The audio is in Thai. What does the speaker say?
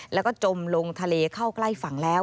แล้วก็จมลงทะเลเข้าใกล้ฝั่งแล้ว